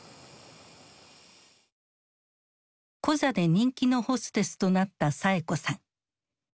コザで人気のホステスとなったサエ子さん。